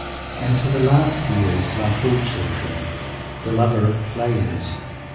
And to the last he is like all children the lover of Players.